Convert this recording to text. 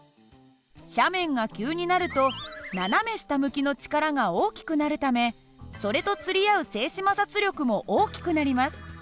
斜面が急になると斜め下向きの力が大きくなるためそれと釣り合う静止摩擦力も大きくなります。